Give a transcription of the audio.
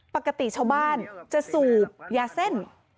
ปกติชาวบ้านจะสูบยาเส้น